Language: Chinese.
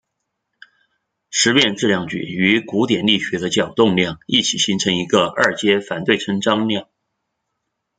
时变质量矩与古典力学的角动量一起形成一个二阶反对称张量。